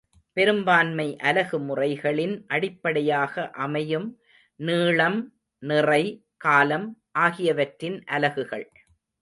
பெரும்பான்மை அலகு முறைகளின் அடிப்படையாக அமையும் நீளம்,, நிறை, காலம் ஆகியவற்றின் அலகுகள்.